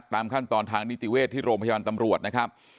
ตามขั้นตอนทางนิติเวศที่โรงพยาบาลตำรวจนะครับ